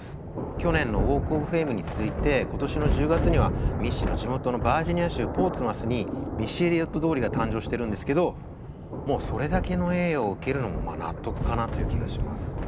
去年のウォーク・オブ・フェイムに続いて今年の１０月にはミッシーの地元のバージニア州ポーツマスにミッシー・エリオット通りが誕生してるんですけどもうそれだけの栄誉を受けるのもまあ納得かなという気がします。